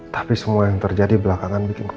tapi semua yang terjadi belakangan bikin ku takut